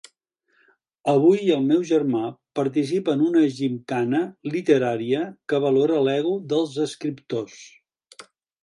Avui el meu germà participa en una gimcana literària que valora l'ego dels escriptors.